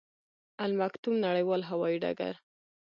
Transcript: المکتوم نړیوال هوايي ډګر